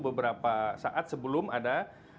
beberapa saat sebelum ada